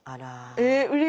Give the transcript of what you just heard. えうれしい。